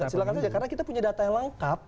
silahkan saja karena kita punya data yang lengkap